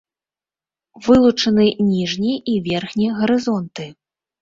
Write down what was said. Вылучаны ніжні і верхні гарызонты.